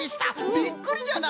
びっくりじゃな！